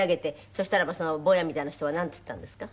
そしたらば坊やみたいな人はなんて言ったんですか？